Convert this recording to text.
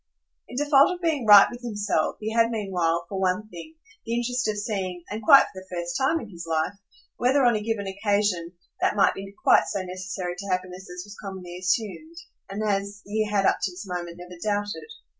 In default of being right with himself he had meanwhile, for one thing, the interest of seeing and quite for the first time in his life whether, on a given occasion, that might be quite so necessary to happiness as was commonly assumed and as he had up to this moment never doubted.